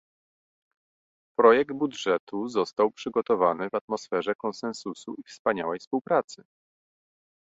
Projekt budżetu został przygotowany w atmosferze konsensusu i wspaniałej współpracy